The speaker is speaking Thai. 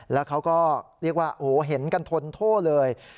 แล้วเขาก็เรียกว่าโอ้โหเห็นกันทนโทษเลย